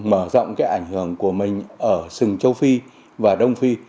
mở rộng cái ảnh hưởng của mình ở sừng châu phi và đông phi